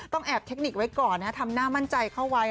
แอบเทคนิคไว้ก่อนทำหน้ามั่นใจเข้าไว้